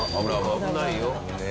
危ないよ。